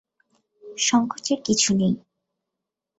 সংকোচের কিছু নেই।